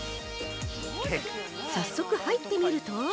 早速、入ってみると◆